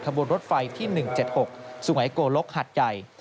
บนรถไฟที่๑๗๖สุงัยโกลกหัดใหญ่